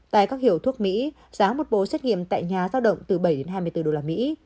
tại các hiệu thuốc mỹ giá một bộ xét nghiệm tại nhà giao động từ bảy đến hai mươi bốn đô la mỹ